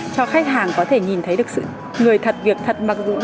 cho khách hàng có thể nhìn thấy được sự người thật việc thật mặc dù